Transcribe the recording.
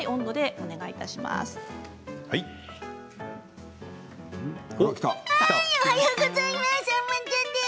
おはようございます。